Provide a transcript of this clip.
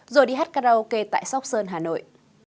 rồi đi hát karaoke tại sóc sơn hà nội